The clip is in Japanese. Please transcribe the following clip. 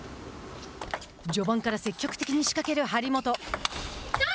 序盤から積極的に仕掛ける張本。